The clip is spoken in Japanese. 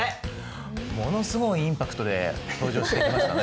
ものすごいインパクトで登場してきましたね。